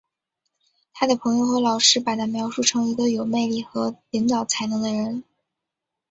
他的朋友和老师把他描述成一个有魅力的和领导才能的人。